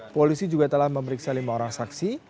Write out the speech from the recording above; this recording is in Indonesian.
polisi juga telah memeriksa lima orang saksi